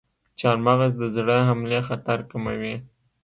چارمغز د زړه حملې خطر کموي.